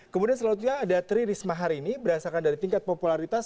kemudian selalu ada tririsma harini berdasarkan dari tingkat popularitas